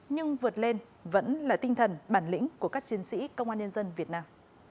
nhưng vượt lên vẫn là tinh thần bản lĩnh của các chiến sĩ công an nhân dân việt nam